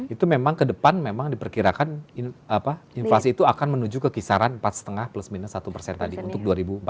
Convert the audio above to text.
itu memang ke depan memang diperkirakan inflasi itu akan menuju ke kisaran empat lima plus minus satu persen tadi untuk dua ribu empat belas